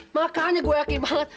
makanya gue yakin banget